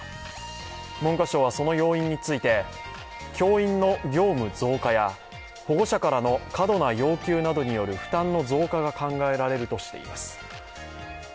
文科省はその要員について教員の業務増加や保護者からの過度な要求などによる負担の増加が考えられるとしています。